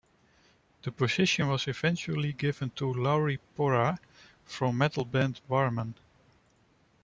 The position was eventually given to Lauri Porra from metal band Warmen.